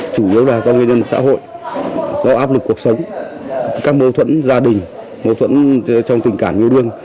chủ yếu là do nguyên nhân xã hội do áp lực cuộc sống các mâu thuẫn gia đình mâu thuẫn trong tình cảm yêu đương